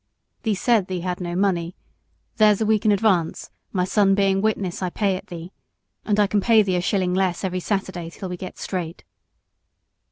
"Thee said thee had no money; there's a week in advance, my son being witness I pay it thee; and I can pay thee a shilling less every Saturday till we get straight."